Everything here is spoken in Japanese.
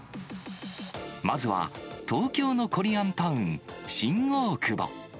まずは、東京のコリアンタウン、新大久保。